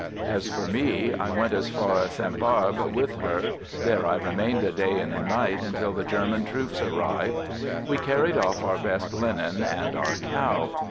As for me, I went as far as Sainte Barbe with her, there I remained a day and a night, until the Ger man troops arrived. We carried off our best linen and our cow.